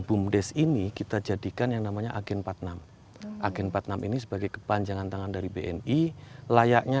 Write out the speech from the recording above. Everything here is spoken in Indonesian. bumdes ini kita jadikan yang namanya agen empat puluh enam agen empat puluh enam ini sebagai kepanjangan tangan dari bni layaknya